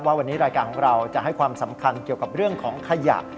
ว่าวันนี้รายการของเราจะให้ความสำคัญเกี่ยวกับเรื่องของขยะ